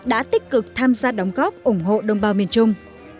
đã tích cực tham gia đóng góp ủng hộ đồng bào miền trung